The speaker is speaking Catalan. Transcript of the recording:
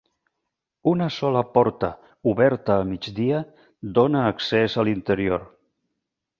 Una sola porta, oberta a migdia, dóna accés a l'interior.